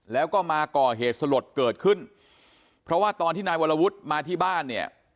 แล้วก็มาก่อเหตุสลดเกิดขึ้นเพราะว่าตอนที่นายวรวุฒิมาที่บ้านเนี่ย